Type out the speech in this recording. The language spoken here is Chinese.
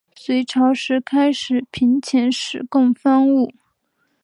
隋朝时开始频遣使贡方物。